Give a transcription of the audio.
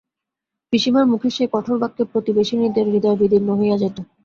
পিসিমার মুখের সেই কঠোর বাক্যে প্রতিবেশিনীদের হৃদয় বিদীর্ণ হইয়া যাইত।